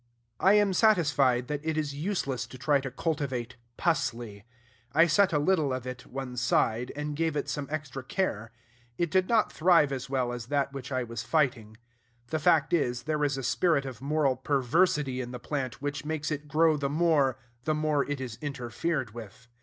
I am satisfied that it is useless to try to cultivate "pusley." I set a little of it one side, and gave it some extra care. It did not thrive as well as that which I was fighting. The fact is, there is a spirit of moral perversity in the plant, which makes it grow the more, the more it is interfered with.